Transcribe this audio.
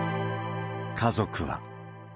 家族は。